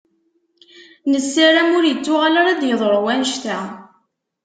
Nessaram ur ittuɣal ara ad d-yeḍṛu wannect-a.